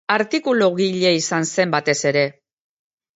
Artikulugile izan zen, batez ere.